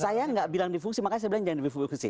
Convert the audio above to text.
saya nggak bilang difungsi makanya saya bilang jangan difungsi